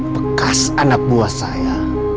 bekas anak buah saya